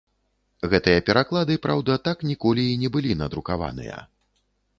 Гэтыя пераклады, праўда, так ніколі і не былі надрукаваныя.